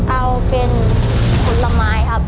เอาเป็นผลไม้ครับ